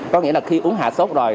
có nghĩa là khi uống hạ sốt rồi